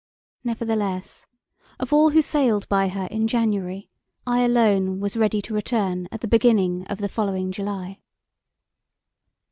Nevertheless, of all who sailed by her in January, I alone was ready to return at the beginning of the following July.